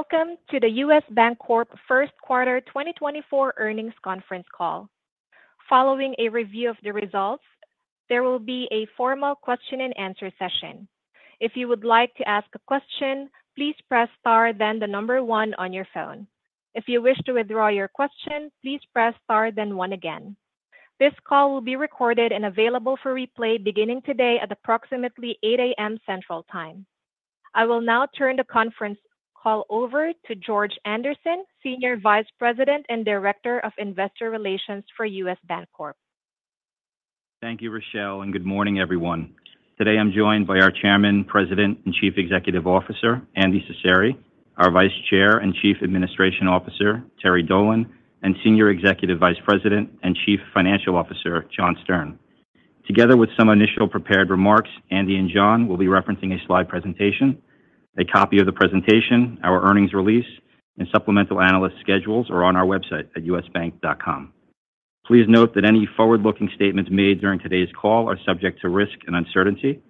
Welcome to the U.S. Bancorp first quarter 2024 earnings conference call. Following a review of the results, there will be a formal question-and-answer session. If you would like to ask a question, please press star then the number one on your phone. If you wish to withdraw your question, please press star then one again. This call will be recorded and available for replay beginning today at approximately 8:00 A.M. Central Time. I will now turn the conference call over to George Andersen, Senior Vice President and Director of Investor Relations for U.S. Bancorp. Thank you, Rachelle, and good morning, everyone. Today I'm joined by our Chairman, President and Chief Executive Officer Andy Cecere, our Vice Chair and Chief Administration Officer Terry Dolan, and Senior Executive Vice President and Chief Financial Officer John Stern. Together with some initial prepared remarks, Andy and John will be referencing a slide presentation. A copy of the presentation, our earnings release, and supplemental analyst schedules are on our website at usbank.com. Please note that any forward-looking statements made during today's call are subject to risk and uncertainty.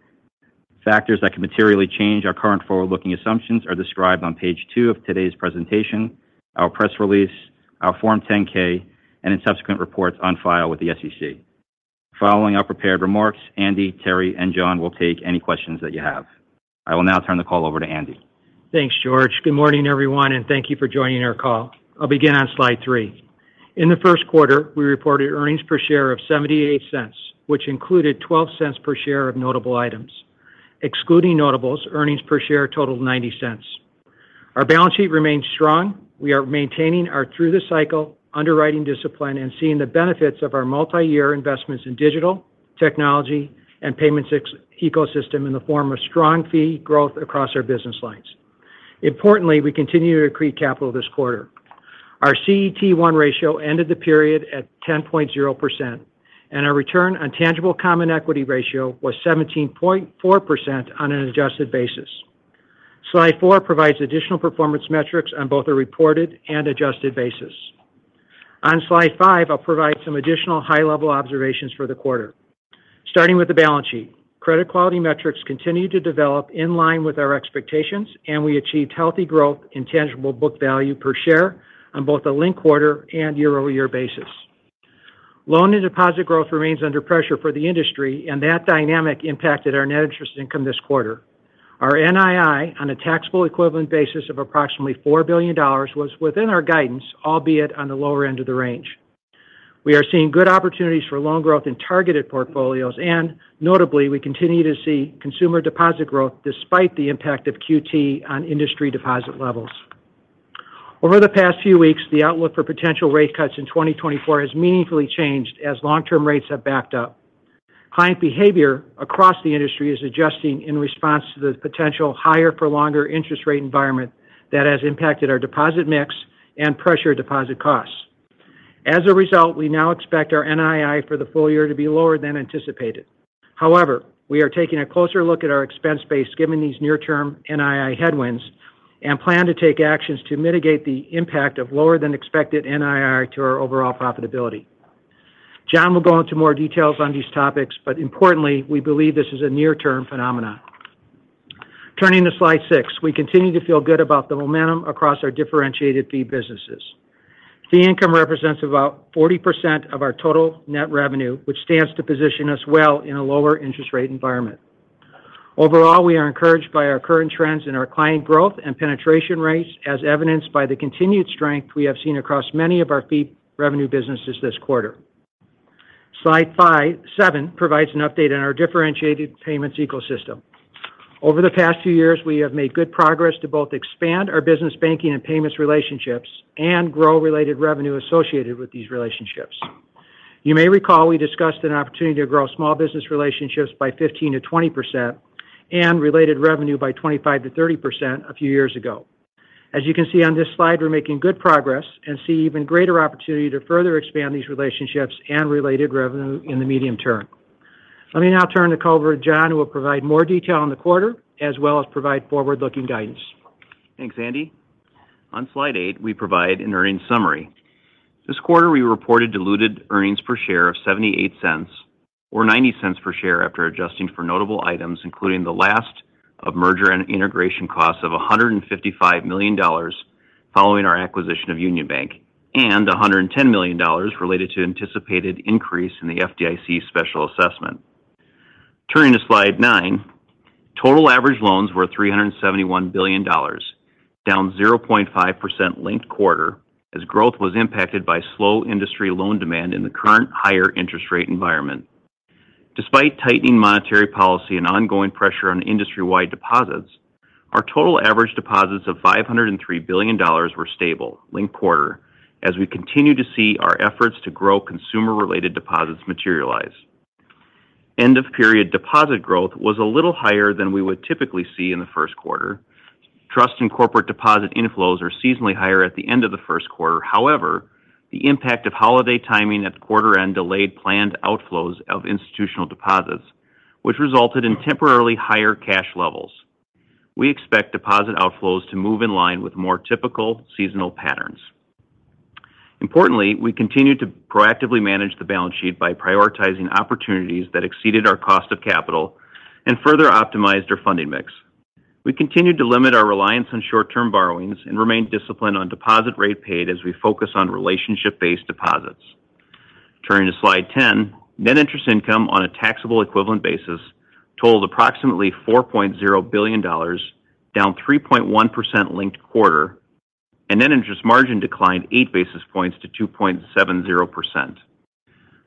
Factors that could materially change our current forward-looking assumptions are described on page two of today's presentation, our press release, our Form 10-K, and in subsequent reports on file with the SEC. Following our prepared remarks, Andy, Terry, and John will take any questions that you have. I will now turn the call over to Andy. Thanks, George. Good morning, everyone, and thank you for joining our call. I'll begin on slide three. In the first quarter, we reported earnings per share of $0.78, which included $0.12 per share of notable items. Excluding notables, earnings per share totaled $0.90. Our balance sheet remains strong. We are maintaining our through-the-cycle underwriting discipline and seeing the benefits of our multi-year investments in digital, technology, and payments ecosystem in the form of strong fee growth across our business lines. Importantly, we continue to accrete capital this quarter. Our CET1 ratio ended the period at 10.0%, and our return on tangible common equity ratio was 17.4% on an adjusted basis. Slide four provides additional performance metrics on both a reported and adjusted basis. On slide five, I'll provide some additional high-level observations for the quarter. Starting with the balance sheet, credit quality metrics continue to develop in line with our expectations, and we achieved healthy growth in tangible book value per share on both a linked quarter and year-over-year basis. Loan and deposit growth remains under pressure for the industry, and that dynamic impacted our net interest income this quarter. Our NII on a taxable equivalent basis of approximately $4 billion was within our guidance, albeit on the lower end of the range. We are seeing good opportunities for loan growth in targeted portfolios, and notably, we continue to see consumer deposit growth despite the impact of QT on industry deposit levels. Over the past few weeks, the outlook for potential rate cuts in 2024 has meaningfully changed as long-term rates have backed up. Client behavior across the industry is adjusting in response to the potential higher-for-longer interest rate environment that has impacted our deposit mix and pressured deposit costs. As a result, we now expect our NII for the full year to be lower than anticipated. However, we are taking a closer look at our expense base given these near-term NII headwinds and plan to take actions to mitigate the impact of lower-than-expected NII to our overall profitability. John will go into more details on these topics, but importantly, we believe this is a near-term phenomenon. Turning to slide six, we continue to feel good about the momentum across our differentiated fee businesses. Fee income represents about 40% of our total net revenue, which stands to position us well in a lower interest rate environment. Overall, we are encouraged by our current trends in our client growth and penetration rates, as evidenced by the continued strength we have seen across many of our fee revenue businesses this quarter. Slide seven provides an update on our differentiated payments ecosystem. Over the past few years, we have made good progress to both expand our business banking and payments relationships and grow related revenue associated with these relationships. You may recall we discussed an opportunity to grow small business relationships by 15%-20% and related revenue by 25%-30% a few years ago. As you can see on this slide, we're making good progress and see even greater opportunity to further expand these relationships and related revenue in the medium term. Let me now turn the call over to John, who will provide more detail on the quarter as well as provide forward-looking guidance. Thanks, Andy. On slide eight, we provide an earnings summary. This quarter, we reported diluted earnings per share of $0.78 or $0.90 per share after adjusting for notable items, including the last of merger and integration costs of $155 million following our acquisition of Union Bank and $110 million related to anticipated increase in the FDIC special assessment. Turning to slide 9, total average loans were $371 billion, down 0.5% linked quarter as growth was impacted by slow industry loan demand in the current higher interest rate environment. Despite tightening monetary policy and ongoing pressure on industry-wide deposits, our total average deposits of $503 billion were stable linked quarter as we continue to see our efforts to grow consumer-related deposits materialize. End-of-period deposit growth was a little higher than we would typically see in the first quarter. Trust and corporate deposit inflows are seasonally higher at the end of the first quarter. However, the impact of holiday timing at quarter-end delayed planned outflows of institutional deposits, which resulted in temporarily higher cash levels. We expect deposit outflows to move in line with more typical seasonal patterns. Importantly, we continue to proactively manage the balance sheet by prioritizing opportunities that exceeded our cost of capital and further optimized our funding mix. We continue to limit our reliance on short-term borrowings and remain disciplined on deposit rate paid as we focus on relationship-based deposits. Turning to slide 10, net interest income on a taxable equivalent basis totaled approximately $4.0 billion, down 3.1% linked quarter, and net interest margin declined 8 basis points to 2.70%.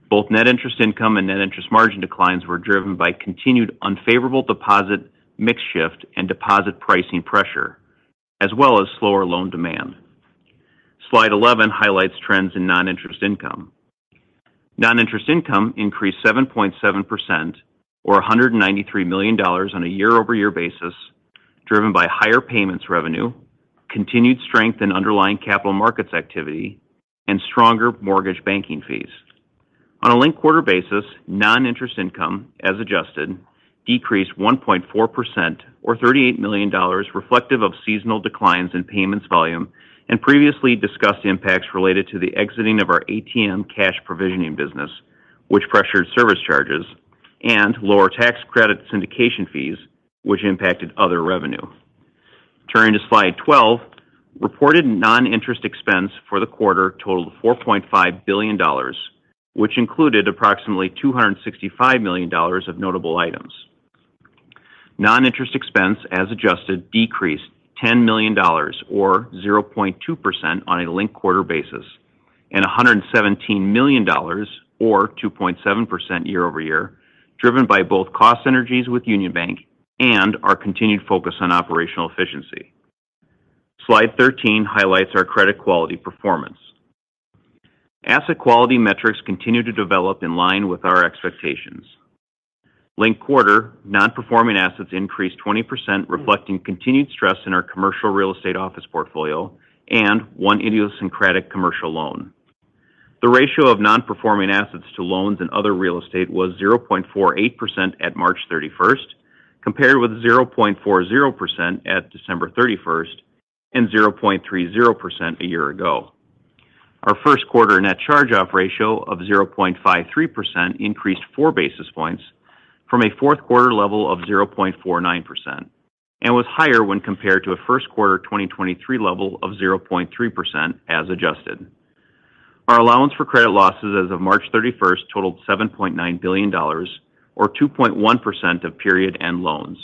Both net interest income and net interest margin declines were driven by continued unfavorable deposit mix shift and deposit pricing pressure, as well as slower loan demand. Slide 11 highlights trends in non-interest income. Non-interest income increased 7.7% or $193 million on a year-over-year basis, driven by higher payments revenue, continued strength in underlying capital markets activity, and stronger mortgage banking fees. On a linked quarter basis, non-interest income, as adjusted, decreased 1.4% or $38 million, reflective of seasonal declines in payments volume and previously discussed impacts related to the exiting of our ATM cash provisioning business, which pressured service charges, and lower tax credit syndication fees, which impacted other revenue. Turning to slide 12, reported non-interest expense for the quarter totaled $4.5 billion, which included approximately $265 million of notable items. Non-interest expense, as adjusted, decreased $10 million or 0.2% on a linked quarter basis and $117 million or 2.7% year-over-year, driven by both cost synergies with Union Bank and our continued focus on operational efficiency. Slide 13 highlights our credit quality performance. Asset quality metrics continue to develop in line with our expectations. Linked quarter, non-performing assets increased 20%, reflecting continued stress in our commercial real estate office portfolio and one idiosyncratic commercial loan. The ratio of non-performing assets to loans in other real estate was 0.48% at March 31st, compared with 0.40% at December 31st and 0.30% a year ago. Our first quarter net charge-off ratio of 0.53% increased 4 basis points from a fourth-quarter level of 0.49% and was higher when compared to a first quarter 2023 level of 0.3%, as adjusted. Our allowance for credit losses as of March 31st totaled $7.9 billion or 2.1% of period-end loans.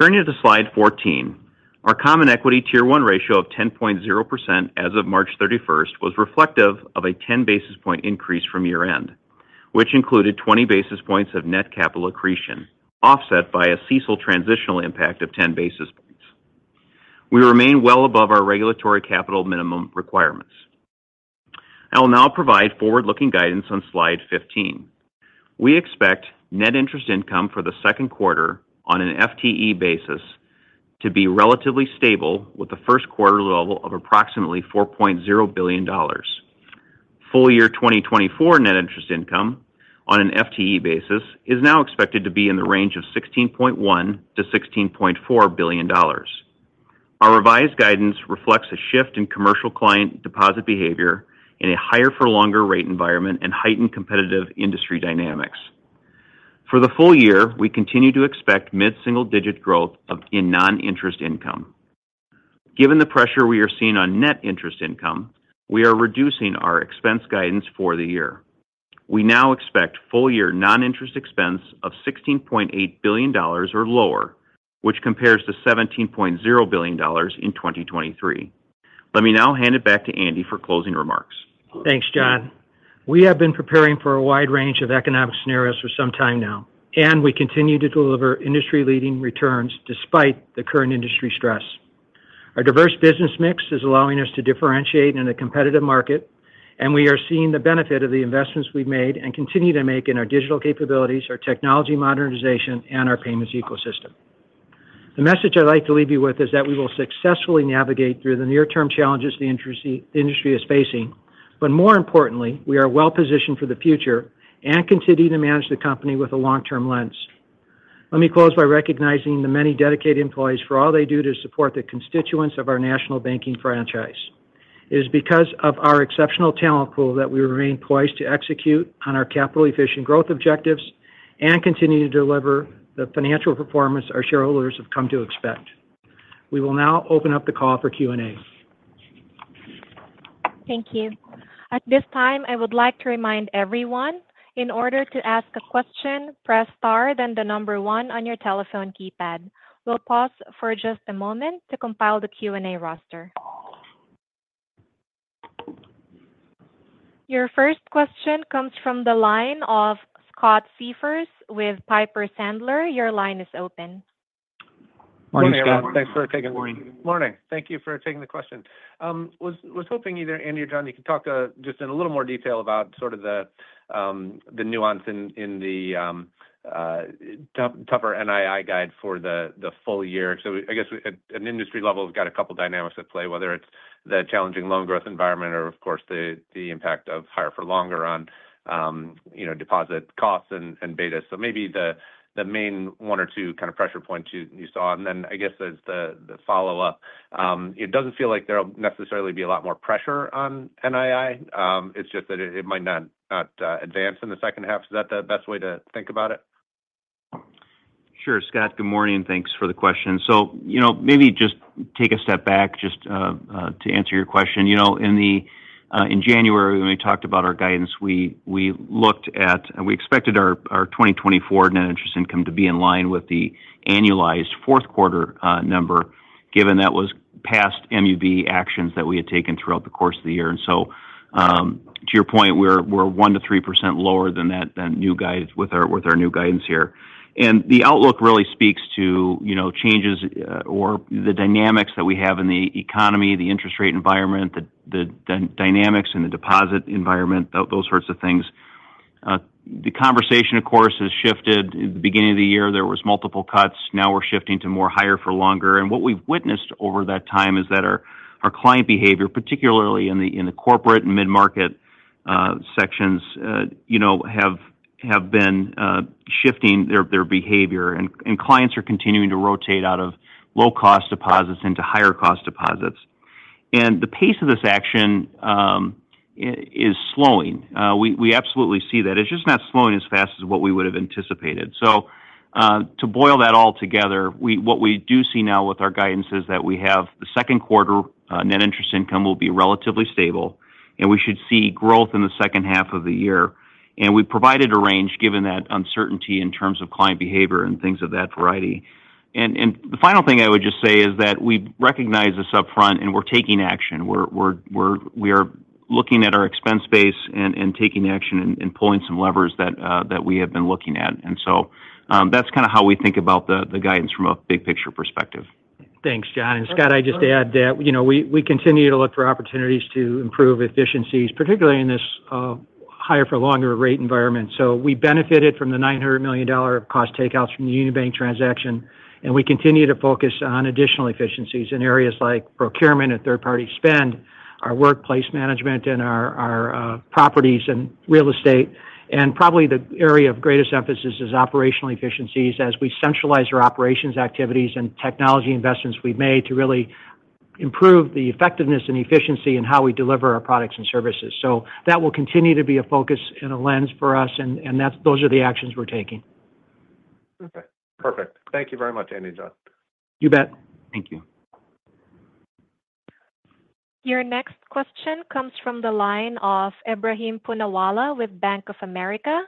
Turning to slide 14, our Common Equity Tier 1 ratio of 10.0% as of March 31st was reflective of a 10 basis points increase from year-end, which included 20 basis points of net capital accretion, offset by a CECL transitional impact of 10 basis points. We remain well above our regulatory capital minimum requirements. I will now provide forward-looking guidance on slide 15. We expect net interest income for the second quarter on an FTE basis to be relatively stable, with the first quarter level of approximately $4.0 billion. Full year 2024 net interest income on an FTE basis is now expected to be in the range of $16.1 billion-$16.4 billion. Our revised guidance reflects a shift in commercial client deposit behavior in a higher-for-longer rate environment and heightened competitive industry dynamics. For the full year, we continue to expect mid-single digit growth in non-interest income. Given the pressure we are seeing on net interest income, we are reducing our expense guidance for the year. We now expect full year non-interest expense of $16.8 billion or lower, which compares to $17.0 billion in 2023. Let me now hand it back to Andy for closing remarks. Thanks, John. We have been preparing for a wide range of economic scenarios for some time now, and we continue to deliver industry-leading returns despite the current industry stress. Our diverse business mix is allowing us to differentiate in a competitive market, and we are seeing the benefit of the investments we've made and continue to make in our digital capabilities, our technology modernization, and our payments ecosystem. The message I'd like to leave you with is that we will successfully navigate through the near-term challenges the industry is facing, but more importantly, we are well positioned for the future and continue to manage the company with a long-term lens. Let me close by recognizing the many dedicated employees for all they do to support the constituents of our national banking franchise. It is because of our exceptional talent pool that we remain poised to execute on our capital-efficient growth objectives and continue to deliver the financial performance our shareholders have come to expect. We will now open up the call for Q&A. Thank you. At this time, I would like to remind everyone, in order to ask a question, press star then the number one on your telephone keypad. We'll pause for just a moment to compile the Q&A roster. Your first question comes from the line of Scott Siefers with Piper Sandler. Your line is open. Morning, Scott. Morning. Thank you for taking the question. I was hoping either Andy or John, you could talk just in a little more detail about sort of the nuance in the tougher NII guide for the full year. So I guess at an industry level, we've got a couple of dynamics at play, whether it's the challenging loan growth environment or, of course, the impact of higher-for-longer on deposit costs and beta. So maybe the main one or two kind of pressure points you saw. And then I guess as the follow-up, it doesn't feel like there'll necessarily be a lot more pressure on NII. It's just that it might not advance in the second half. Is that the best way to think about it? Sure, Scott. Good morning. Thanks for the question. So maybe just take a step back just to answer your question. In January, when we talked about our guidance, we looked at and we expected our 2024 net interest income to be in line with the annualized fourth-quarter number, given that was past MUB actions that we had taken throughout the course of the year. And so to your point, we're 1%-3% lower than that new guide with our new guidance here. And the outlook really speaks to changes or the dynamics that we have in the economy, the interest rate environment, the dynamics in the deposit environment, those sorts of things. The conversation, of course, has shifted. At the beginning of the year, there were multiple cuts. Now we're shifting to more higher-for-longer. What we've witnessed over that time is that our client behavior, particularly in the corporate and mid-market sections, have been shifting their behavior. Clients are continuing to rotate out of low-cost deposits into higher-cost deposits. The pace of this action is slowing. We absolutely see that. It's just not slowing as fast as what we would have anticipated. To boil that all together, what we do see now with our guidance is that we have the second quarter net interest income will be relatively stable, and we should see growth in the second half of the year. We provided a range given that uncertainty in terms of client behavior and things of that variety. The final thing I would just say is that we recognize this upfront, and we're taking action. We are looking at our expense base and taking action and pulling some levers that we have been looking at. That's kind of how we think about the guidance from a big-picture perspective. Thanks, John. And Scott, I just add that we continue to look for opportunities to improve efficiencies, particularly in this higher-for-longer rate environment. So we benefited from the $900 million of cost takeouts from the Union Bank transaction, and we continue to focus on additional efficiencies in areas like procurement and third-party spend, our workplace management and our properties and real estate. And probably the area of greatest emphasis is operational efficiencies as we centralize our operations activities and technology investments we've made to really improve the effectiveness and efficiency in how we deliver our products and services. So that will continue to be a focus and a lens for us, and those are the actions we're taking. Perfect. Perfect. Thank you very much, Andy, John. You bet. Thank you. Your next question comes from the line of Ebrahim Poonawala with Bank of America.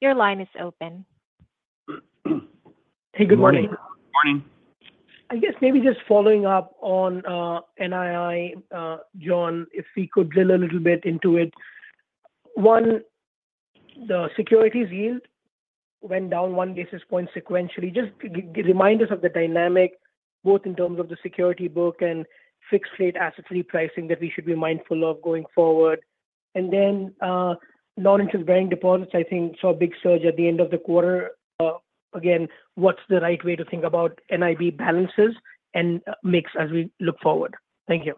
Your line is open. Hey, good morning. Morning. I guess maybe just following up on NII, John, if we could drill a little bit into it. One, the securities yield went down 1 basis point sequentially. Just remind us of the dynamic, both in terms of the security book and fixed-rate asset repricing that we should be mindful of going forward. And then non-interest bearing deposits, I think, saw a big surge at the end of the quarter. Again, what's the right way to think about NIB balances and mix as we look forward? Thank you.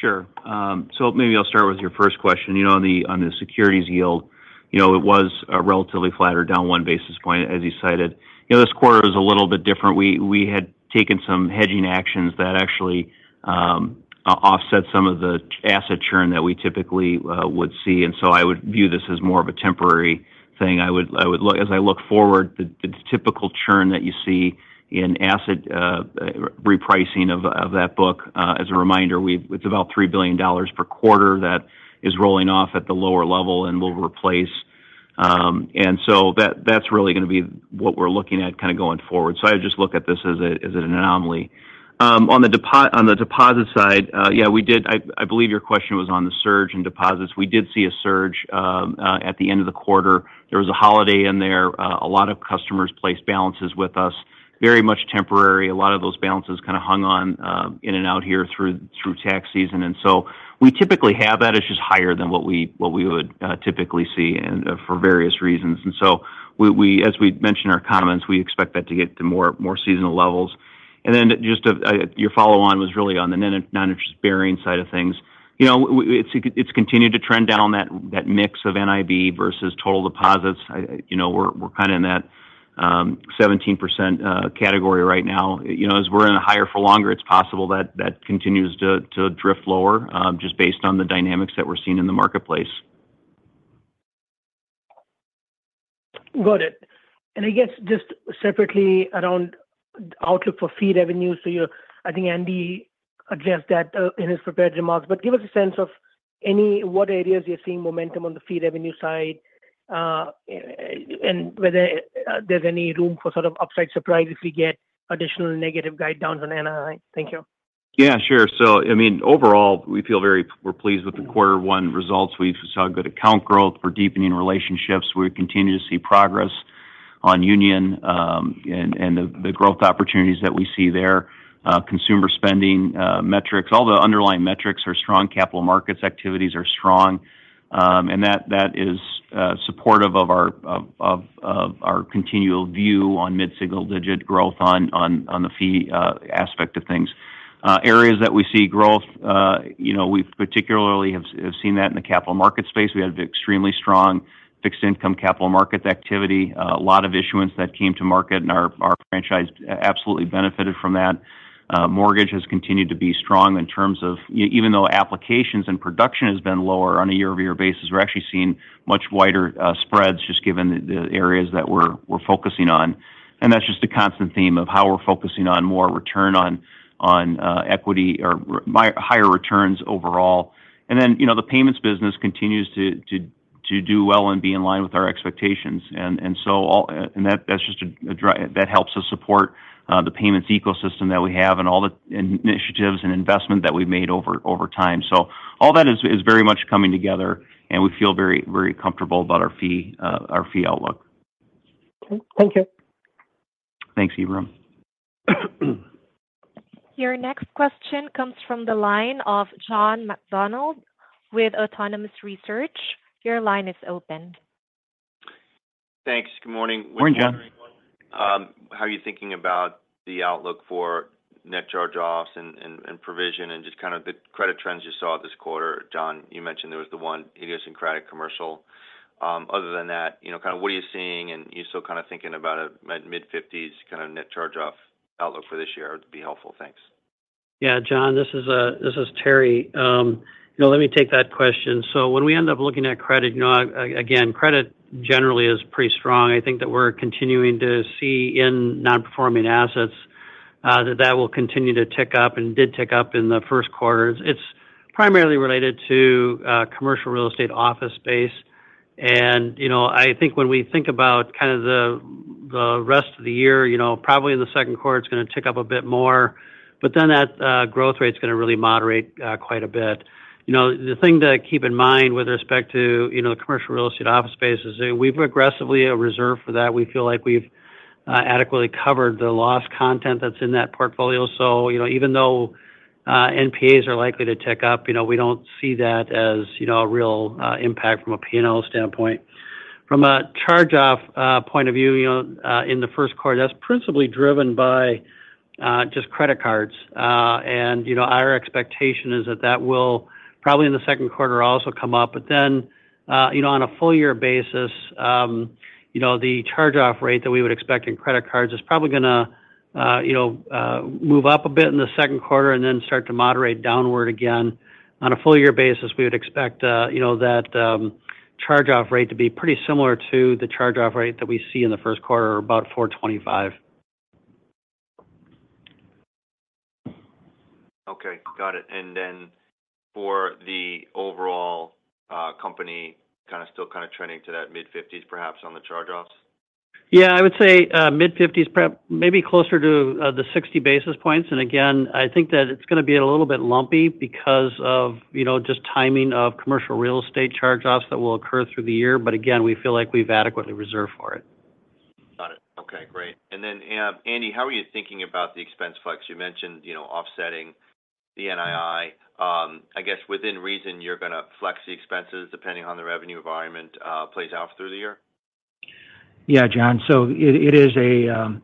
Sure. So maybe I'll start with your first question. On the securities yield, it was relatively flat or down 1 basis point, as you cited. This quarter was a little bit different. We had taken some hedging actions that actually offset some of the asset churn that we typically would see. And so I would view this as more of a temporary thing. As I look forward, the typical churn that you see in asset repricing of that book, as a reminder, it's about $3 billion per quarter that is rolling off at the lower level and will replace. And so that's really going to be what we're looking at kind of going forward. So I would just look at this as an anomaly. On the deposit side, yeah, I believe your question was on the surge in deposits. We did see a surge at the end of the quarter. There was a holiday in there. A lot of customers placed balances with us, very much temporary. A lot of those balances kind of hung on in and out here through tax season. And so we typically have that. It's just higher than what we would typically see for various reasons. And so as we mentioned in our comments, we expect that to get to more seasonal levels. And then just your follow-on was really on the non-interest-bearing side of things. It's continued to trend down on that mix of NIB versus total deposits. We're kind of in that 17% category right now. As we're in a higher-for-longer, it's possible that continues to drift lower just based on the dynamics that we're seeing in the marketplace. Got it. And I guess just separately around outlook for fee revenues, so I think Andy addressed that in his prepared remarks. But give us a sense of what areas you're seeing momentum on the fee revenue side and whether there's any room for sort of upside surprise if we get additional negative guide downs on NII? Thank you. Yeah, sure. So I mean, overall, we're very pleased with the quarter one results. We saw good account growth. We're deepening relationships. We continue to see progress on Union and the growth opportunities that we see there. Consumer spending metrics, all the underlying metrics are strong. Capital markets activities are strong. And that is supportive of our continual view on mid-single-digit growth on the fee aspect of things. Areas that we see growth, we particularly have seen that in the capital market space. We had extremely strong fixed-income capital market activity. A lot of issuance that came to market, and our franchise absolutely benefited from that. Mortgage has continued to be strong in terms of even though applications and production has been lower on a year-over-year basis, we're actually seeing much wider spreads just given the areas that we're focusing on. And that's just a constant theme of how we're focusing on more return on equity or higher returns overall. And then the payments business continues to do well and be in line with our expectations. And that's just that helps us support the payments ecosystem that we have and all the initiatives and investment that we've made over time. So all that is very much coming together, and we feel very comfortable about our fee outlook. Okay. Thank you. Thanks, Ebrahim. Your next question comes from the line of John McDonald with Autonomous Research. Your line is open. Thanks. Good morning. Morning, John. How are you thinking about the outlook for net charge-offs and provision and just kind of the credit trends you saw this quarter? John, you mentioned there was the one health care and commercial credit. Other than that, kind of what are you seeing? And are you still kind of thinking about a mid-50s kind of net charge-off outlook for this year? It would be helpful. Thanks. Yeah, John. This is Terry. Let me take that question. So when we end up looking at credit, again, credit generally is pretty strong. I think that we're continuing to see in non-performing assets that that will continue to tick up and did tick up in the first quarter. It's primarily related to commercial real estate office space. And I think when we think about kind of the rest of the year, probably in the second quarter, it's going to tick up a bit more. But then that growth rate's going to really moderate quite a bit. The thing to keep in mind with respect to the commercial real estate office space is we've aggressively reserved for that. We feel like we've adequately covered the loss content that's in that portfolio. So even though NPAs are likely to tick up, we don't see that as a real impact from a P&L standpoint. From a charge-off point of view, in the first quarter, that's principally driven by just credit cards. And our expectation is that that will probably in the second quarter also come up. But then on a full-year basis, the charge-off rate that we would expect in credit cards is probably going to move up a bit in the second quarter and then start to moderate downward again. On a full-year basis, we would expect that charge-off rate to be pretty similar to the charge-off rate that we see in the first quarter, about 425. Okay. Got it. And then for the overall company, kind of still kind of trending to that mid-50s, perhaps, on the charge-offs? Yeah, I would say mid-50s, maybe closer to the 60 basis points. And again, I think that it's going to be a little bit lumpy because of just timing of commercial real estate charge-offs that will occur through the year. But again, we feel like we've adequately reserved for it. Got it. Okay. Great. And then, Andy, how are you thinking about the expense flex? You mentioned offsetting the NII. I guess within reason, you're going to flex the expenses depending on the revenue environment plays out through the year? Yeah, John. So it is an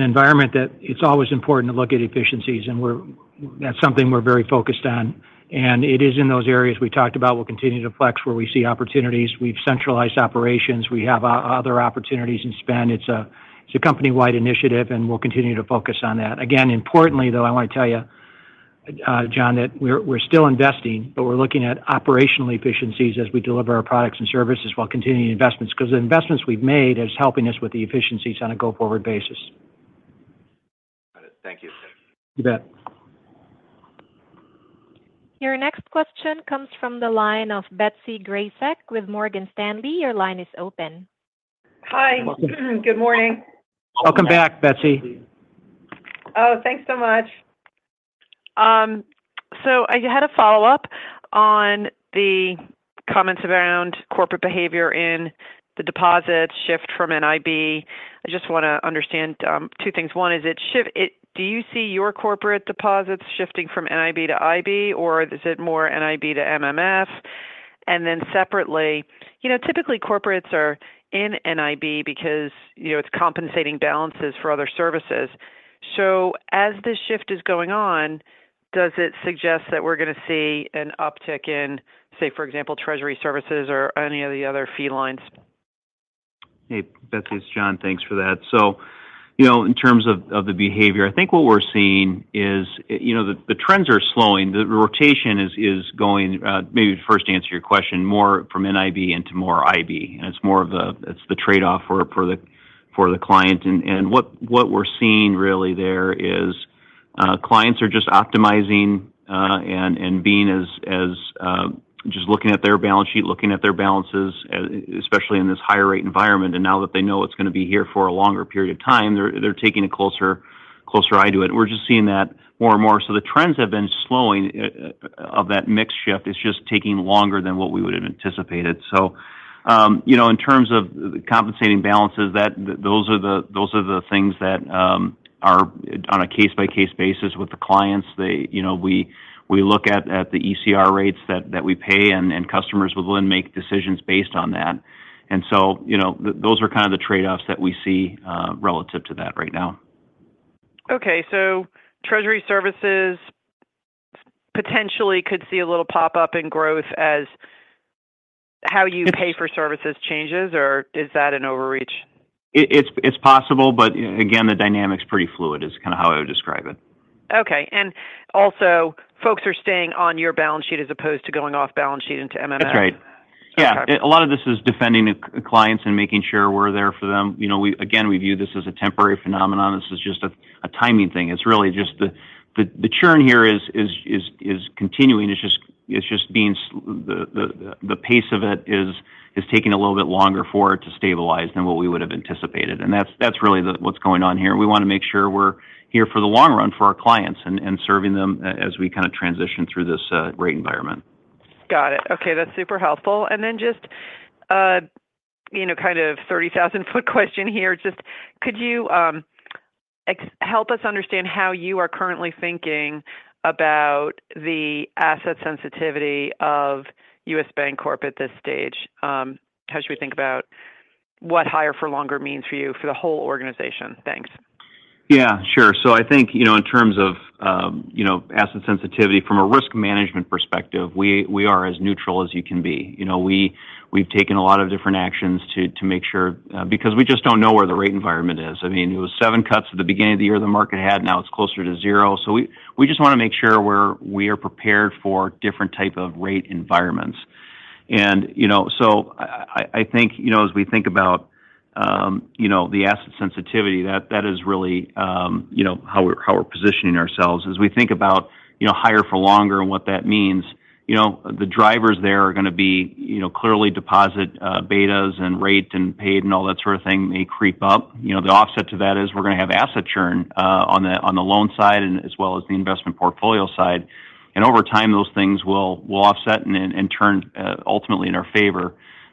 environment that it's always important to look at efficiencies, and that's something we're very focused on. And it is in those areas we talked about we'll continue to flex where we see opportunities. We've centralized operations. We have other opportunities in spend. It's a company-wide initiative, and we'll continue to focus on that. Again, importantly, though, I want to tell you, John, that we're still investing, but we're looking at operational efficiencies as we deliver our products and services while continuing investments because the investments we've made are helping us with the efficiencies on a go-forward basis. Got it. Thank you. You bet. Your next question comes from the line of Betsy Graseck with Morgan Stanley. Your line is open. Hi. Good morning. Welcome back, Betsy. Oh, thanks so much. So I had a follow-up on the comments around corporate behavior in the deposit shift from NIB. I just want to understand two things. One is, do you see your corporate deposits shifting from NIB to IB, or is it more NIB to MMF? And then separately, typically, corporates are in NIB because it's compensating balances for other services. So as this shift is going on, does it suggest that we're going to see an uptick in, say, for example, treasury services or any of the other fee lines? Hey, Betsy. It's John. Thanks for that. So in terms of the behavior, I think what we're seeing is the trends are slowing. The rotation is going, maybe to first answer your question, more from NIB into more IB. And it's more of a it's the trade-off for the client. And what we're seeing really there is clients are just optimizing and being as just looking at their balance sheet, looking at their balances, especially in this higher-rate environment. And now that they know it's going to be here for a longer period of time, they're taking a closer eye to it. And we're just seeing that more and more. So the trends have been slowing of that mix shift. It's just taking longer than what we would have anticipated. So in terms of compensating balances, those are the things that are on a case-by-case basis with the clients. We look at the ECR rates that we pay, and customers will then make decisions based on that. And so those are kind of the trade-offs that we see relative to that right now. Okay. Treasury services potentially could see a little pop-up in growth as how you pay for services changes, or is that an overreach? It's possible, but again, the dynamic's pretty fluid is kind of how I would describe it. Okay. And also, folks are staying on your balance sheet as opposed to going off balance sheet into MMF? That's right. Yeah. A lot of this is defending clients and making sure we're there for them. Again, we view this as a temporary phenomenon. This is just a timing thing. It's really just the churn here is continuing. It's just being the pace of it is taking a little bit longer for it to stabilize than what we would have anticipated. And that's really what's going on here. We want to make sure we're here for the long run for our clients and serving them as we kind of transition through this rate environment. Got it. Okay. That's super helpful. And then just kind of 30,000 ft question here. Just could you help us understand how you are currently thinking about the asset sensitivity of U.S. Bancorp at this stage? How should we think about what higher for longer means for you, for the whole organization? Thanks. Yeah, sure. So I think in terms of asset sensitivity, from a risk management perspective, we are as neutral as you can be. We've taken a lot of different actions to make sure because we just don't know where the rate environment is. I mean, it was seven cuts at the beginning of the year the market had. Now it's closer to zero. So we just want to make sure we are prepared for different type of rate environments. And so I think as we think about the asset sensitivity, that is really how we're positioning ourselves. As we think about higher for longer and what that means, the drivers there are going to be clearly deposit betas and rate and paid and all that sort of thing may creep up. The offset to that is we're going to have asset churn on the loan side as well as the investment portfolio side. Over time, those things will offset and turn ultimately in our favor.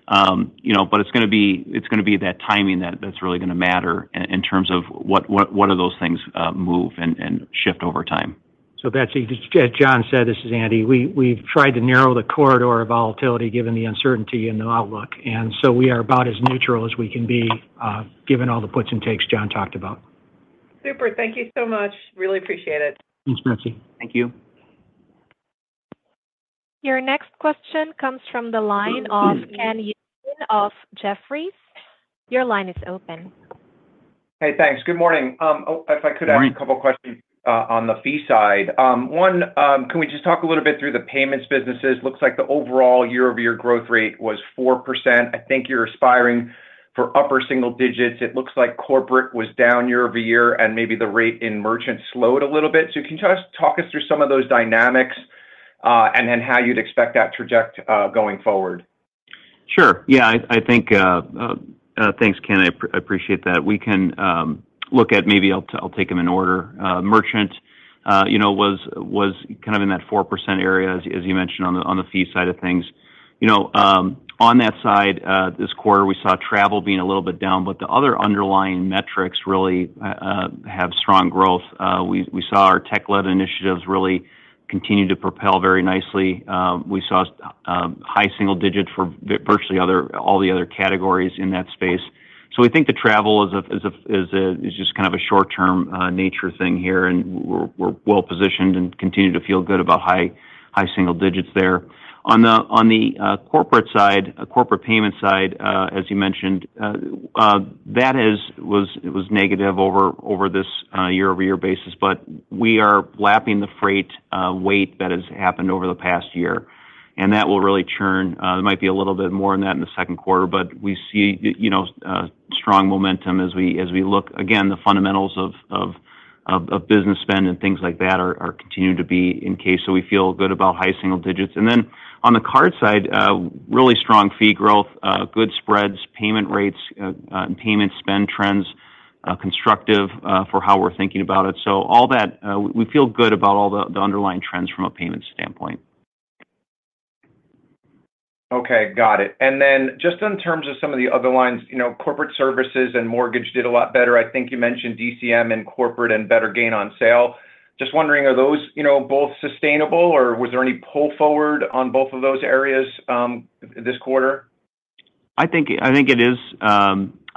It's going to be it's going to be that timing that's really going to matter in terms of what do those things move and shift over time. So Betsy, as John said, this is Andy. We've tried to narrow the corridor of volatility given the uncertainty in the outlook. And so we are about as neutral as we can be given all the puts and takes John talked about. Super. Thank you so much. Really appreciate it. Thanks, Betsy. Thank you. Your next question comes from the line of Ken Usdin of Jefferies. Your line is open. Hey, thanks. Good morning. If I could ask a couple of questions on the fee side. One, can we just talk a little bit through the payments businesses? Looks like the overall year-over-year growth rate was 4%. I think you're aspiring for upper single digits. It looks like corporate was down year-over-year, and maybe the rate in merchants slowed a little bit. So can you just talk us through some of those dynamics and then how you'd expect that trajectory going forward? Sure. Yeah. I think thanks, Ken. I appreciate that. We can look at maybe I'll take them in order. Merchant was kind of in that 4% area, as you mentioned, on the fee side of things. On that side, this quarter, we saw travel being a little bit down, but the other underlying metrics really have strong growth. We saw our tech-led initiatives really continue to propel very nicely. We saw high single digits for virtually all the other categories in that space. So we think the travel is just kind of a short-term nature thing here, and we're well-positioned and continue to feel good about high single digits there. On the corporate side, corporate payment side, as you mentioned, that was negative over this year-over-year basis. But we are lapping the freight weight that has happened over the past year, and that will really churn. There might be a little bit more in that in the second quarter, but we see strong momentum as we look. Again, the fundamentals of business spend and things like that are continuing to be intact. So we feel good about high single digits. And then on the card side, really strong fee growth, good spreads, payment rates, and payment spend trends, constructive for how we're thinking about it. So we feel good about all the underlying trends from a payments standpoint. Okay. Got it. And then just in terms of some of the other lines, corporate services and mortgage did a lot better. I think you mentioned DCM and corporate and better gain on sale. Just wondering, are those both sustainable, or was there any pull forward on both of those areas this quarter? I think it is.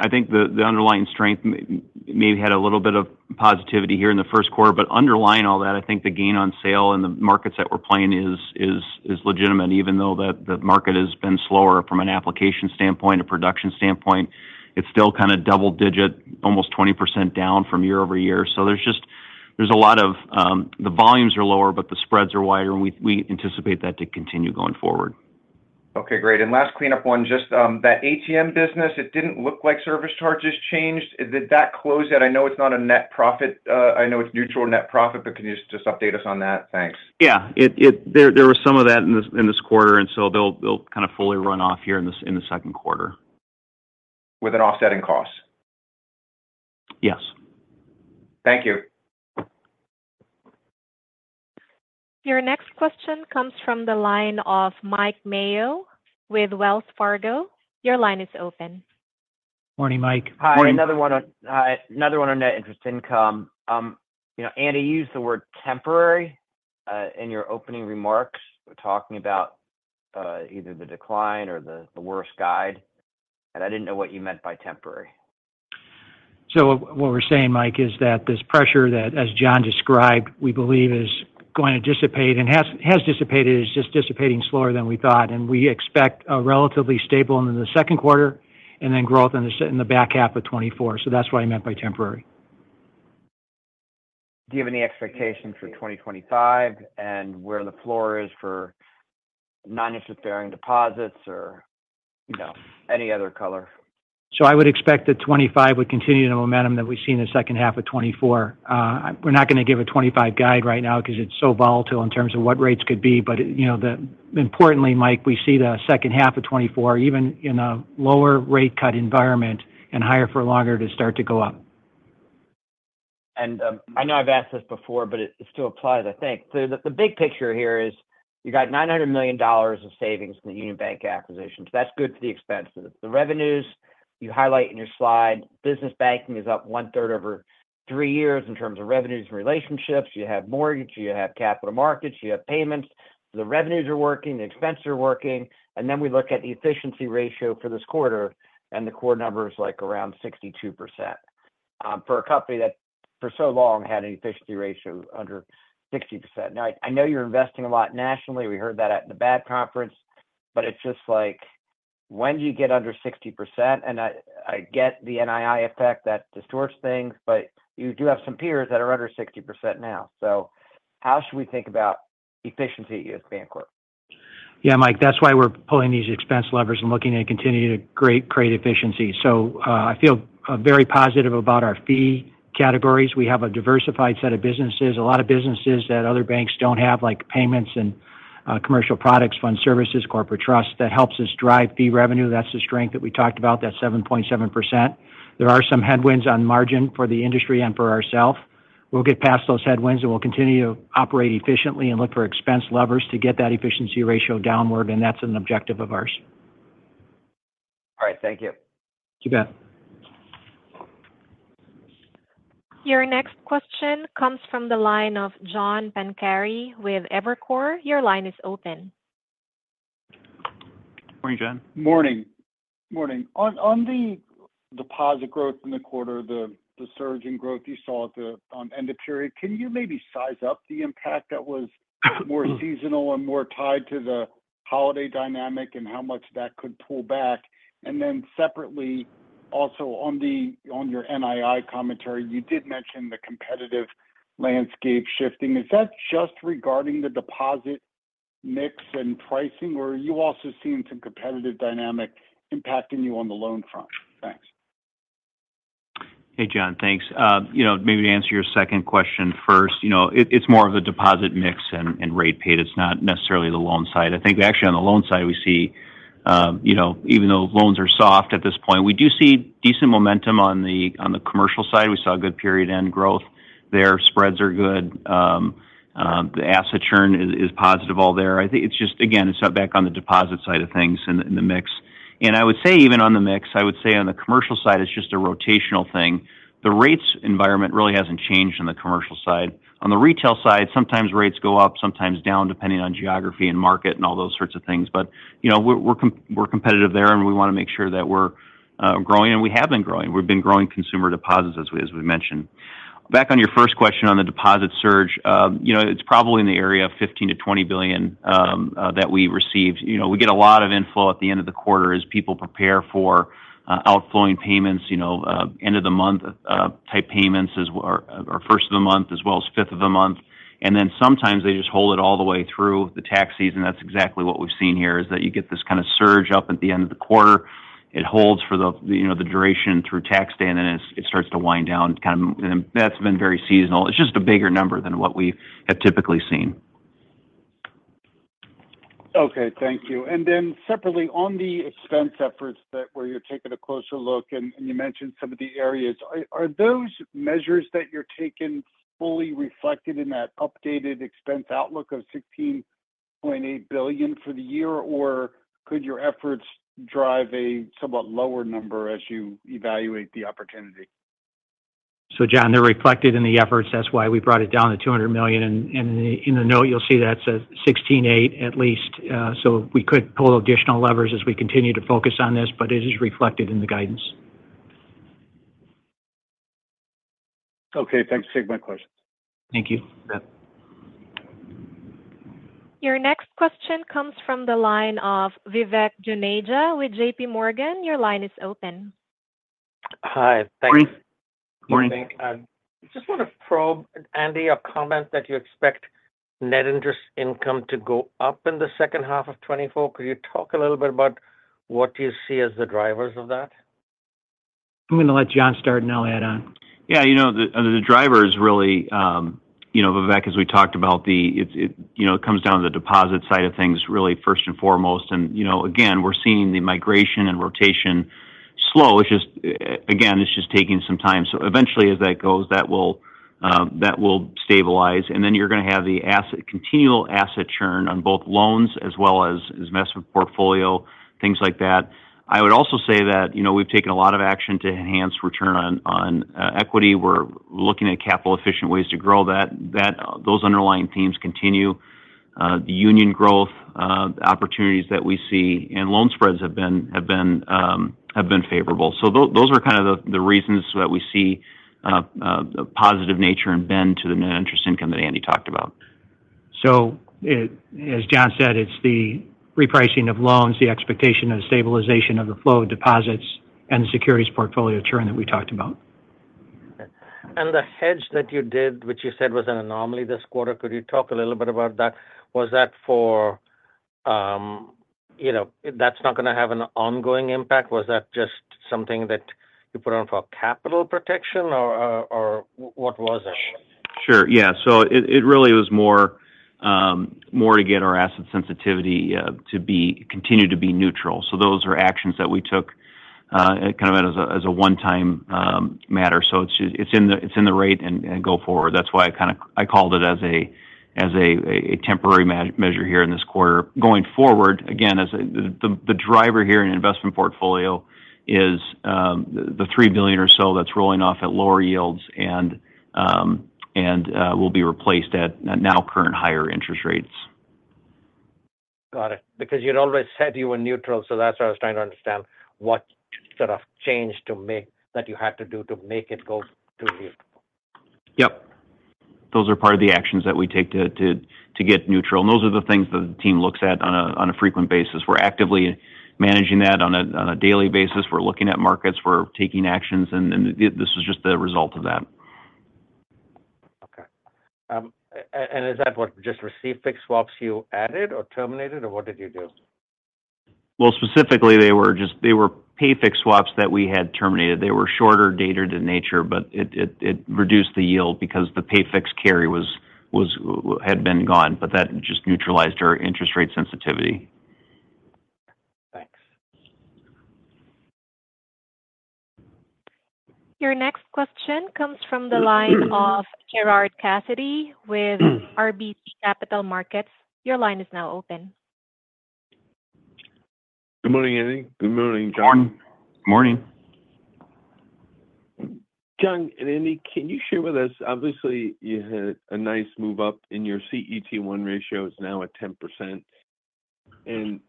I think the underlying strength maybe had a little bit of positivity here in the first quarter. But underlying all that, I think the gain on sale in the markets that we're playing is legitimate, even though the market has been slower from an application standpoint, a production standpoint. It's still kind of double-digit, almost 20% down from year-over-year. So there's a lot of the volumes are lower, but the spreads are wider, and we anticipate that to continue going forward. Okay. Great. And last cleanup one, just that ATM business, it didn't look like service charges changed. Did that close? I know it's not a net profit. I know it's neutral net profit, but can you just update us on that? Thanks. Yeah. There was some of that in this quarter, and so they'll kind of fully run off here in the second quarter. With an offsetting cost? Yes. Thank you. Your next question comes from the line of Mike Mayo with Wells Fargo. Your line is open. Morning, Mike. Hi. Another one on net interest income. Andy, you used the word temporary in your opening remarks talking about either the decline or the worse guide, and I didn't know what you meant by temporary. So what we're saying, Mike, is that this pressure that, as John described, we believe is going to dissipate and has dissipated. It's just dissipating slower than we thought. We expect a relatively stable in the second quarter and then growth in the back half of 2024. So that's what I meant by temporary. Do you have any expectations for 2025 and where the floor is for non-interest-bearing deposits or any other color? I would expect that 2025 would continue in the momentum that we've seen in the second half of 2024. We're not going to give a 2025 guide right now because it's so volatile in terms of what rates could be. But importantly, Mike, we see the second half of 2024, even in a lower rate cut environment and higher for longer, to start to go up. I know I've asked this before, but it still applies, I think. So the big picture here is you got $900 million of savings from the Union Bank acquisitions. That's good for the expenses. The revenues, you highlight in your slide, business banking is up one-third over three years in terms of revenues and relationships. You have mortgage. You have capital markets. You have payments. So the revenues are working. The expenses are working. And then we look at the efficiency ratio for this quarter, and the quarter number is around 62% for a company that for so long had an efficiency ratio under 60%. Now, I know you're investing a lot nationally. We heard that at the BAAB conference. But it's just like, when do you get under 60%? I get the NII effect that distorts things, but you do have some peers that are under 60% now. How should we think about efficiency at U.S. Bancorp? Yeah, Mike, that's why we're pulling these expense levers and looking at continuing to create efficiency. So I feel very positive about our fee categories. We have a diversified set of businesses, a lot of businesses that other banks don't have, like payments and commercial products, fund services, corporate trust, that helps us drive fee revenue. That's the strength that we talked about, that 7.7%. There are some headwinds on margin for the industry and for ourselves. We'll get past those headwinds, and we'll continue to operate efficiently and look for expense levers to get that efficiency ratio downward. That's an objective of ours. All right. Thank you. You bet. Your next question comes from the line of John Pancari with Evercore. Your line is open. Morning, John. Morning. Morning. On the deposit growth in the quarter, the surge in growth you saw on the end of period, can you maybe size up the impact that was more seasonal and more tied to the holiday dynamic and how much that could pull back? And then separately, also on your NII commentary, you did mention the competitive landscape shifting. Is that just regarding the deposit mix and pricing, or are you also seeing some competitive dynamic impacting you on the loan front? Thanks. Hey, John. Thanks. Maybe to answer your second question first, it's more of a deposit mix and rate paid. It's not necessarily the loan side. I think actually, on the loan side, we see even though loans are soft at this point, we do see decent momentum on the commercial side. We saw good period-end growth there. Spreads are good. The asset churn is positive all there. I think it's just, again, it's back on the deposit side of things in the mix. And I would say even on the mix, I would say on the commercial side, it's just a rotational thing. The rates environment really hasn't changed on the commercial side. On the retail side, sometimes rates go up, sometimes down depending on geography and market and all those sorts of things. But we're competitive there, and we want to make sure that we're growing. We have been growing. We've been growing consumer deposits, as we mentioned. Back on your first question on the deposit surge, it's probably in the area of $15 billion-$20 billion that we receive. We get a lot of info at the end of the quarter as people prepare for outflowing payments, end-of-the-month-type payments or first of the month as well as fifth of the month. And then sometimes they just hold it all the way through the tax season. That's exactly what we've seen here, is that you get this kind of surge up at the end of the quarter. It holds for the duration through tax day, and then it starts to wind down kind of. And that's been very seasonal. It's just a bigger number than what we have typically seen. Okay. Thank you. And then separately, on the expense efforts where you're taking a closer look, and you mentioned some of the areas, are those measures that you're taking fully reflected in that updated expense outlook of $16.8 billion for the year, or could your efforts drive a somewhat lower number as you evaluate the opportunity? John, they're reflected in the efforts. That's why we brought it down to $200 million. In the note, you'll see that says 16.8 at least. So we could pull additional levers as we continue to focus on this, but it is reflected in the guidance. Okay. Thanks. Take my questions. Thank you. Your next question comes from the line of Vivek Juneja with J.P. Morgan. Your line is open. Hi. Thanks. Morning. Morning. I just want to probe, Andy, a comment that you expect net interest income to go up in the second half of 2024. Could you talk a little bit about what you see as the drivers of that? I'm going to let John start, and I'll add on. Yeah. The drivers really, Vivek, as we talked about, it comes down to the deposit side of things really first and foremost. And again, we're seeing the migration and rotation slow. Again, it's just taking some time. So eventually, as that goes, that will stabilize. And then you're going to have the continual asset churn on both loans as well as investment portfolio, things like that. I would also say that we've taken a lot of action to enhance return on equity. We're looking at capital-efficient ways to grow that. Those underlying themes continue. The Union growth, the opportunities that we see, and loan spreads have been favorable. So those are kind of the reasons that we see a positive nature and bend to the net interest income that Andy talked about. As John said, it's the repricing of loans, the expectation of stabilization of the flow of deposits, and the securities portfolio churn that we talked about. The hedge that you did, which you said was an anomaly this quarter, could you talk a little bit about that? Was that, or is that not going to have an ongoing impact? Was that just something that you put on for capital protection, or what was it? Sure. Yeah. So it really was more to get our asset sensitivity to continue to be neutral. So those are actions that we took kind of as a one-time matter. So it's in the rate and go forward. That's why I called it as a temporary measure here in this quarter. Going forward, again, the driver here in investment portfolio is the $3 billion or so that's rolling off at lower yields and will be replaced at now-current higher interest rates. Got it. Because you'd always said you were neutral. That's what I was trying to understand, what sort of change that you had to do to make it go to neutral. Yep. Those are part of the actions that we take to get neutral. Those are the things that the team looks at on a frequent basis. We're actively managing that on a daily basis. We're looking at markets. We're taking actions. This is just the result of that. Okay. And is that what just receive-fixed swaps you added or terminated, or what did you do? Well, specifically, they were pay fixed swaps that we had terminated. They were shorter dated in nature, but it reduced the yield because the pay fixed carry had been gone. But that just neutralized our interest rate sensitivity. Thanks. Your next question comes from the line of Gerard Cassidy with RBC Capital Markets. Your line is now open. Good morning, Andy. Good morning, John. Morning. John and Andy, can you share with us? Obviously, you had a nice move up in your CET1 ratio. It's now at 10%.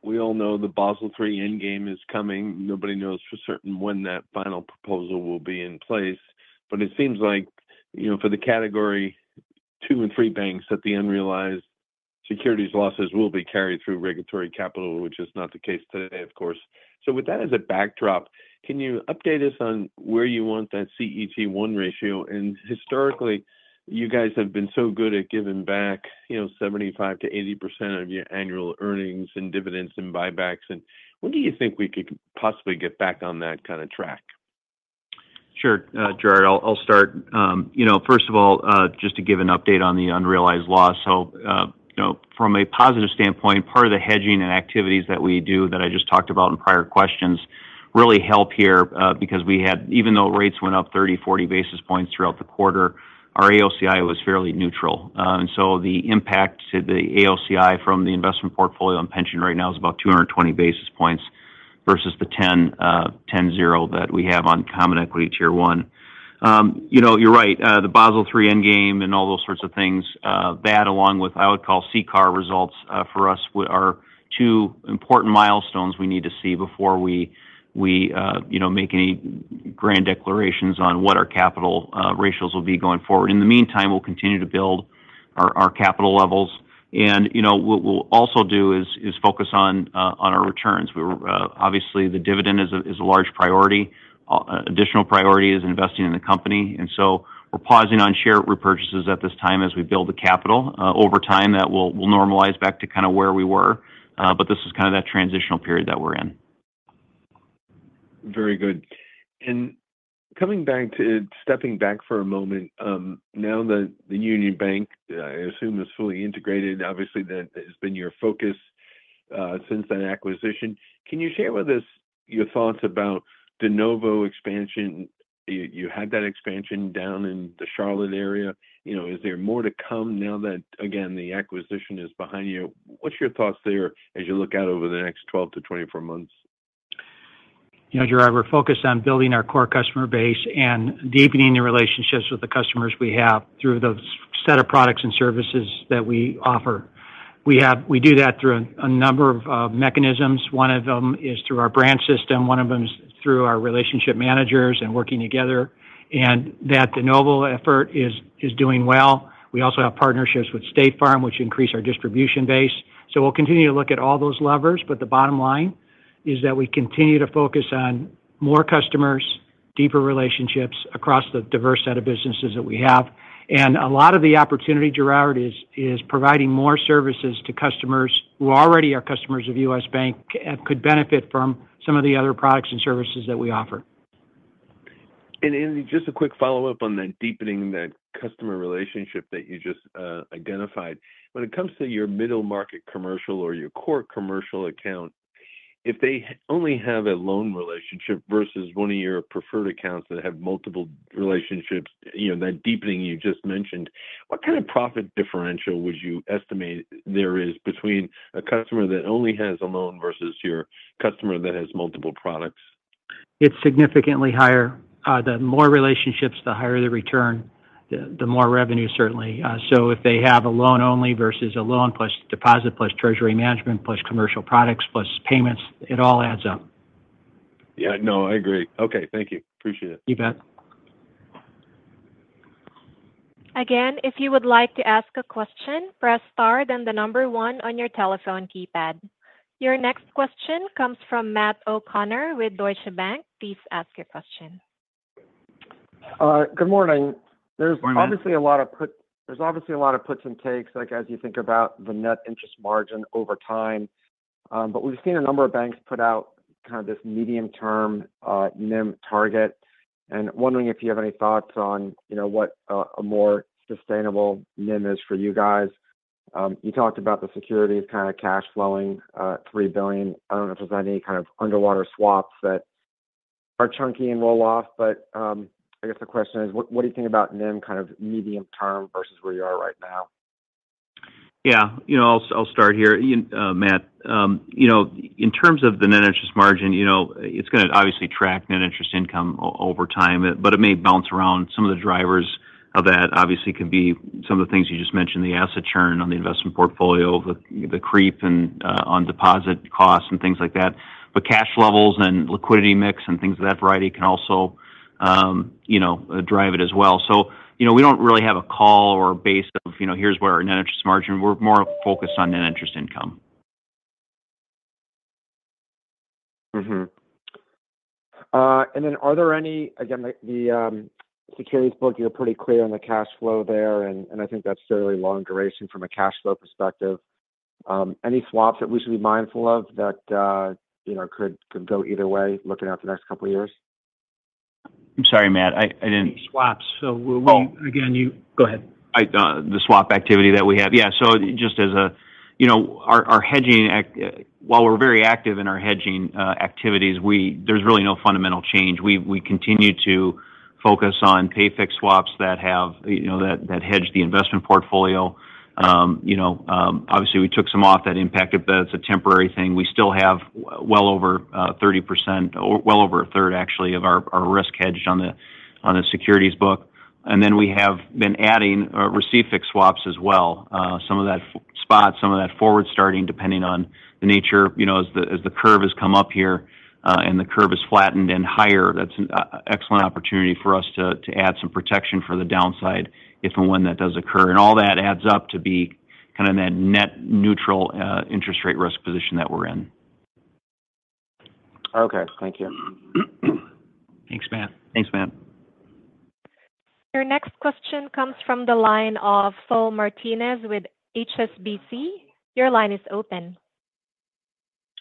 We all know the Basel III endgame is coming. Nobody knows for certain when that final proposal will be in place. It seems like for the category two and three banks, that the unrealized securities losses will be carried through regulatory capital, which is not the case today, of course. With that as a backdrop, can you update us on where you want that CET1 ratio? Historically, you guys have been so good at giving back 75%-80% of your annual earnings and dividends and buybacks. When do you think we could possibly get back on that kind of track? Sure, Gerard. I'll start. First of all, just to give an update on the unrealized loss. So from a positive standpoint, part of the hedging and activities that we do that I just talked about in prior questions really help here because we had even though rates went up 30, 40 basis points throughout the quarter, our AOCI was fairly neutral. And so the impact to the AOCI from the investment portfolio and pension right now is about 220 basis points versus the 10.0 that we have on Common Equity Tier 1. You're right. The Basel III endgame and all those sorts of things, that along with, I would call, CCAR results for us are two important milestones we need to see before we make any grand declarations on what our capital ratios will be going forward. In the meantime, we'll continue to build our capital levels. What we'll also do is focus on our returns. Obviously, the dividend is a large priority. Additional priority is investing in the company. And so we're pausing on share repurchases at this time as we build the capital. Over time, that will normalize back to kind of where we were. But this is kind of that transitional period that we're in. Very good. Coming back to stepping back for a moment, now that the Union Bank, I assume, is fully integrated, obviously, that has been your focus since that acquisition. Can you share with us your thoughts about de novo expansion? You had that expansion down in the Charlotte area. Is there more to come now that, again, the acquisition is behind you? What's your thoughts there as you look out over the next 12-24 months? Yeah, Gerard, we're focused on building our core customer base and deepening the relationships with the customers we have through the set of products and services that we offer. We do that through a number of mechanisms. One of them is through our brand system. One of them is through our relationship managers and working together. And that De Novo effort is doing well. We also have partnerships with State Farm, which increase our distribution base. So we'll continue to look at all those levers. But the bottom line is that we continue to focus on more customers, deeper relationships across the diverse set of businesses that we have. And a lot of the opportunity, Gerard, is providing more services to customers who already are customers of U.S. Bank and could benefit from some of the other products and services that we offer. Andy, just a quick follow-up on that deepening that customer relationship that you just identified. When it comes to your middle-market commercial or your core commercial account, if they only have a loan relationship versus one of your preferred accounts that have multiple relationships, that deepening you just mentioned, what kind of profit differential would you estimate there is between a customer that only has a loan versus your customer that has multiple products? It's significantly higher. The more relationships, the higher the return, the more revenue, certainly. So if they have a loan only versus a loan plus deposit plus treasury management plus commercial products plus payments, it all adds up. Yeah. No, I agree. Okay. Thank you. Appreciate it. You bet. Again, if you would like to ask a question, press star then the number one on your telephone keypad. Your next question comes from Matt O'Connor with Deutsche Bank. Please ask your question. Good morning. There's obviously a lot of puts and takes as you think about the net interest margin over time. But we've seen a number of banks put out kind of this medium-term NIM target. And wondering if you have any thoughts on what a more sustainable NIM is for you guys. You talked about the securities kind of cash flowing $3 billion. I don't know if there's any kind of underwater swaps that are chunky and roll off. But I guess the question is, what do you think about NIM kind of medium-term versus where you are right now? Yeah. I'll start here, Matt. In terms of the net interest margin, it's going to obviously track net interest income over time, but it may bounce around. Some of the drivers of that, obviously, can be some of the things you just mentioned, the asset churn on the investment portfolio, the creep on deposit costs and things like that. But cash levels and liquidity mix and things of that variety can also drive it as well. So we don't really have a call or base of, "Here's where our net interest margin." We're more focused on net interest income. And then are there any, again, the securities book, you're pretty clear on the cash flow there, and I think that's fairly long-duration from a cash flow perspective. Any swaps that we should be mindful of that could go either way looking out the next couple of years? I'm sorry, Matt. I didn't. Swaps. So again, you go ahead. The swap activity that we have. Yeah. So just as our hedging, while we're very active in our hedging activities, there's really no fundamental change. We continue to focus on pay fixed swaps that hedge the investment portfolio. Obviously, we took some off that impact, but it's a temporary thing. We still have well over 30% or well over a third, actually, of our risk hedged on the securities book. And then we have been adding receive fixed swaps as well, some of that spot, some of that forward starting, depending on the nature. As the curve has come up here and the curve has flattened and higher, that's an excellent opportunity for us to add some protection for the downside if and when that does occur. All that adds up to be kind of that net neutral interest rate risk position that we're in. Okay. Thank you. Thanks, Matt. Thanks, Matt. Your next question comes from the line of Saul Martinez with HSBC. Your line is open.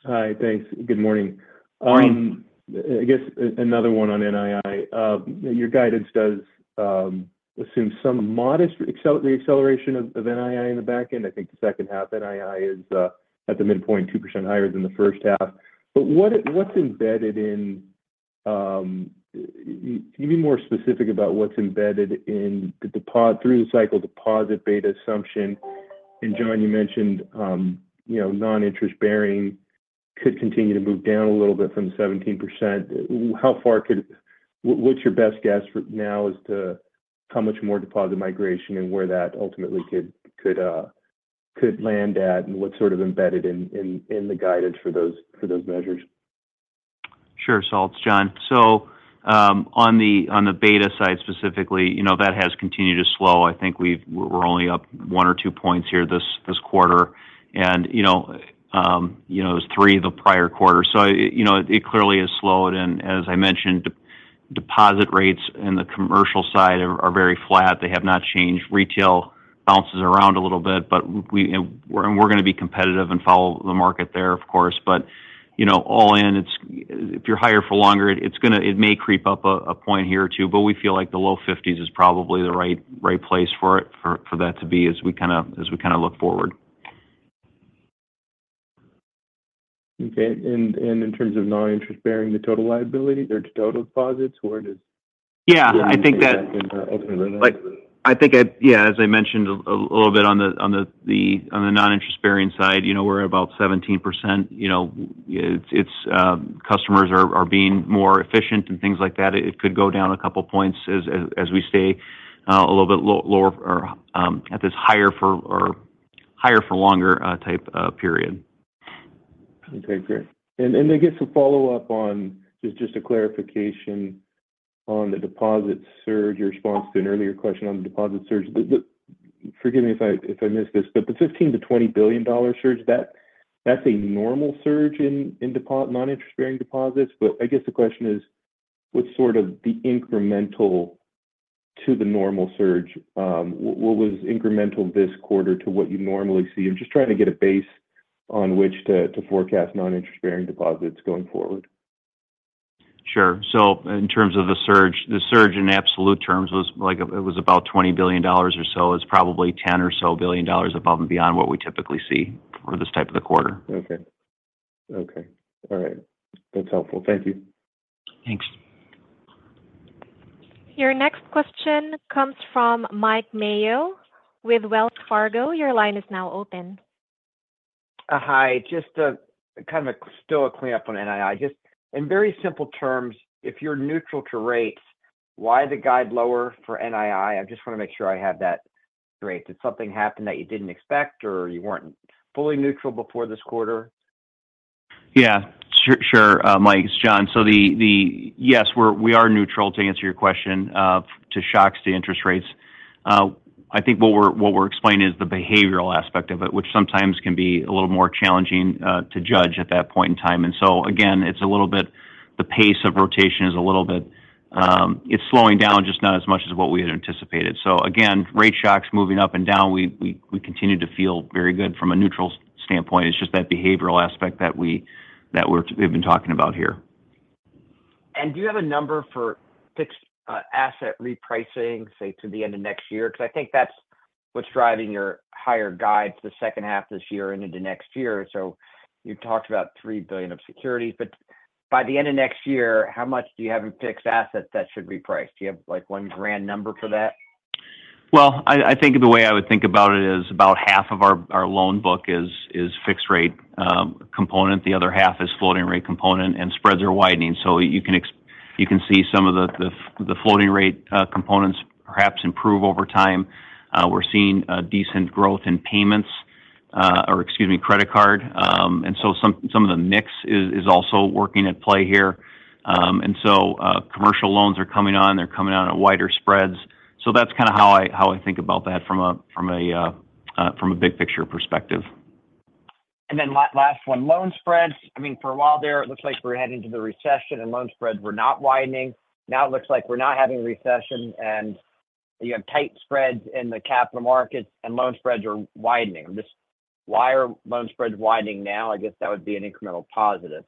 Hi. Thanks. Good morning. I guess another one on NII. Your guidance does assume some modest reacceleration of NII in the back end. I think the second half NII is at the midpoint, 2% higher than the first half. But what's embedded in? Can you be more specific about what's embedded in through the cycle deposit beta assumption? And John, you mentioned non-interest bearing could continue to move down a little bit from 17%. How far could? What's your best guess now as to how much more deposit migration and where that ultimately could land at and what's sort of embedded in the guidance for those measures? Sure. Saul, John. So on the beta side specifically, that has continued to slow. I think we're only up one or two points here this quarter and it was three the prior quarter. So it clearly has slowed. And as I mentioned, deposit rates in the commercial side are very flat. They have not changed. Retail bounces around a little bit, and we're going to be competitive and follow the market there, of course. But all in, if you're higher for longer, it may creep up a point here or two. But we feel like the low 50s is probably the right place for that to be as we kind of look forward. Okay. And in terms of non-interest bearing, the total liability or total deposits, where does? Yeah. I think that. I think that. Yeah. As I mentioned a little bit on the non-interest bearing side, we're at about 17%. Customers are being more efficient and things like that. It could go down a couple of points as we stay a little bit lower or at this higher for longer type period. Okay. Great. I guess a follow-up on just a clarification on the deposit surge, your response to an earlier question on the deposit surge. Forgive me if I missed this. The $15 billion-$20 billion surge, that's a normal surge in non-interest bearing deposits. I guess the question is, what's sort of the incremental to the normal surge? What was incremental this quarter to what you normally see? I'm just trying to get a base on which to forecast non-interest bearing deposits going forward. Sure. So in terms of the surge, the surge in absolute terms, it was about $20 billion or so. It's probably $10 billion or so above and beyond what we typically see for this type of the quarter. Okay. Okay. All right. That's helpful. Thank you. Thanks. Your next question comes from Mike Mayo with Wells Fargo. Your line is now open. Hi. Just kind of still a cleanup on NII. Just in very simple terms, if you're neutral to rates, why the guide lower for NII? I just want to make sure I have that rate. Did something happen that you didn't expect or you weren't fully neutral before this quarter? Yeah. Sure, Mike. It's John. So yes, we are neutral, to answer your question, to shocks to interest rates. I think what we're explaining is the behavioral aspect of it, which sometimes can be a little more challenging to judge at that point in time. And so again, it's a little bit the pace of rotation is a little bit it's slowing down, just not as much as what we had anticipated. So again, rate shocks moving up and down, we continue to feel very good from a neutral standpoint. It's just that behavioral aspect that we've been talking about here. Do you have a number for fixed asset repricing, say, to the end of next year? Because I think that's what's driving your higher guides the second half this year and into next year. You talked about $3 billion of securities. By the end of next year, how much do you have in fixed assets that should reprice? Do you have one grand number for that? Well, I think the way I would think about it is about half of our loan book is fixed-rate component. The other half is floating-rate component, and spreads are widening. So you can see some of the floating-rate components perhaps improve over time. We're seeing decent growth in payments or excuse me, credit card. And so some of the mix is also working at play here. And so commercial loans are coming on. They're coming on at wider spreads. So that's kind of how I think about that from a big picture perspective. And then last one, loan spreads. I mean, for a while there, it looks like we were heading to the recession, and loan spreads were not widening. Now it looks like we're not having recession, and you have tight spreads in the capital markets, and loan spreads are widening. Why are loan spreads widening now? I guess that would be an incremental positive.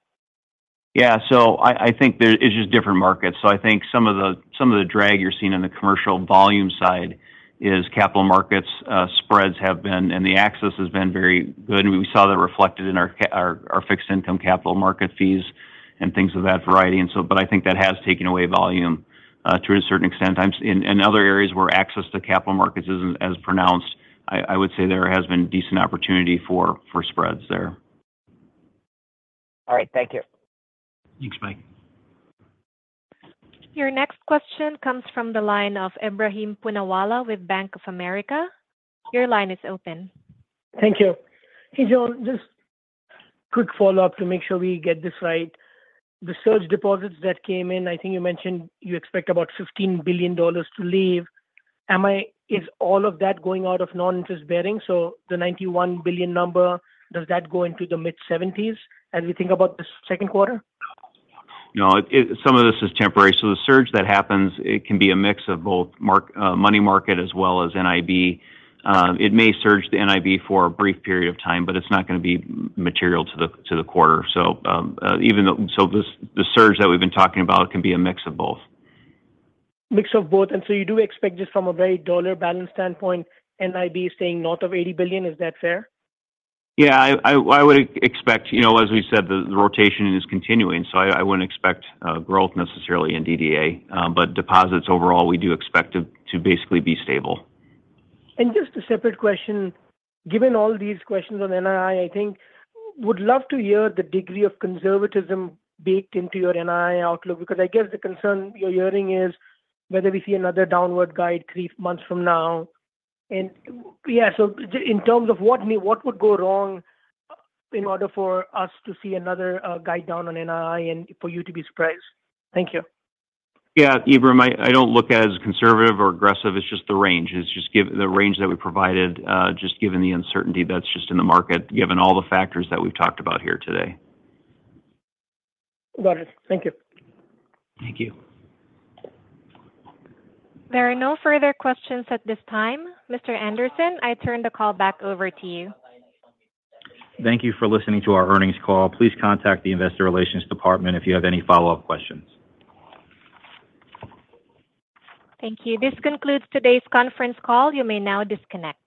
Yeah. So I think it's just different markets. So I think some of the drag you're seeing on the commercial volume side is capital markets spreads have been, and the access has been very good. And we saw that reflected in our fixed-income capital market fees and things of that variety. But I think that has taken away volume to a certain extent. In other areas where access to capital markets isn't as pronounced, I would say there has been decent opportunity for spreads there. All right. Thank you. Thanks, Mike. Your next question comes from the line of Ebrahim Poonawala with Bank of America. Your line is open. Thank you. Hey, John, just quick follow-up to make sure we get this right. The surge deposits that came in, I think you mentioned you expect about $15 billion to leave. Is all of that going out of non-interest bearing? So the $91 billion number, does that go into the mid-70s as we think about the second quarter? No. Some of this is temporary. So the surge that happens, it can be a mix of both money market as well as NIB. It may surge the NIB for a brief period of time, but it's not going to be material to the quarter. So the surge that we've been talking about can be a mix of both. Mix of both. And so you do expect just from a very dollar-balanced standpoint, NIB staying north of $80 billion. Is that fair? Yeah. I would expect, as we said, the rotation is continuing. So I wouldn't expect growth necessarily in DDA. But deposits overall, we do expect to basically be stable. Just a separate question, given all these questions on NII, I think would love to hear the degree of conservatism baked into your NII outlook because I guess the concern you're hearing is whether we see another downward guide three months from now. Yeah, so in terms of what would go wrong in order for us to see another guide down on NII and for you to be surprised? Thank you. Yeah. I don't look as conservative or aggressive. It's just the range. It's just the range that we provided just given the uncertainty that's just in the market, given all the factors that we've talked about here today. Got it. Thank you. Thank you. There are no further questions at this time. Mr. Andersen, I turn the call back over to you. Thank you for listening to our earnings call. Please contact the Investor Relations Department if you have any follow-up questions. Thank you. This concludes today's conference call. You may now disconnect.